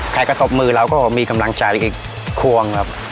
กระตบมือเราก็มีกำลังใจควงครับ